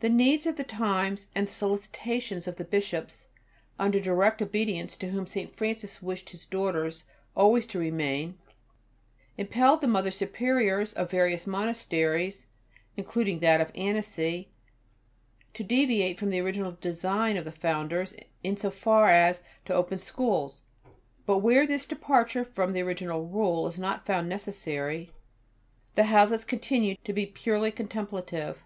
The needs of the times, and the solicitations of the Bishops, under direct obedience to whom St. Francis wished his daughters always to remain, impelled the Mother Superiors of various monasteries, including that of Annecy, to deviate from the original design of the founders in so far as to open schools. But where this departure from the original Rule is not found necessary, the houses continue to be purely contemplative.